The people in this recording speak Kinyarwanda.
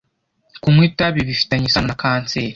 Kunywa itabi bifitanye isano na kanseri.